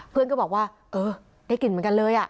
เพื่อนก็บอกว่าเออได้กลิ่นเหมือนกันเลย